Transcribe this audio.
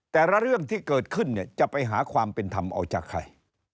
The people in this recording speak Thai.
เรื่องที่เกิดขึ้นเนี่ยจะไปหาความเป็นธรรมเอาจากใคร